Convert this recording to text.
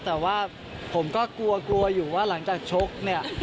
แต่ว่าผมก็กลัวกลัวอยู่ว่าหลังจากชกเนี่ย